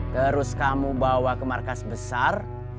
terus kamu bawa ke markas besar